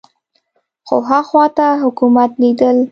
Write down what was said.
خو ها خوا ته حکومت لیدل